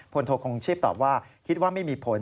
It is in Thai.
โทคงชีพตอบว่าคิดว่าไม่มีผล